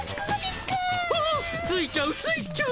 あついちゃうついちゃう。